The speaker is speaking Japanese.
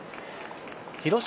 広島